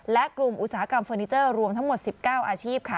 และกลุ่มอุตสาหกรรมเฟอร์นิเจอร์รวมทั้งหมด๑๙อาชีพค่ะ